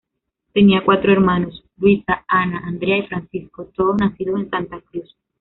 Tenía cuatro hermanos; Luisa, Ana, Andrea y Francisco, todos nacidos en Santa Cruz.